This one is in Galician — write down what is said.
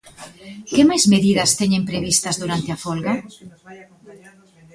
Que máis medidas teñen previstas durante a folga?